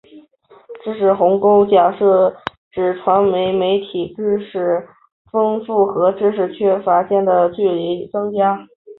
知识鸿沟假设指传播媒体使知识丰富和知识缺乏间的距离增加。